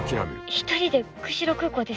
一人で釧路空港ですか？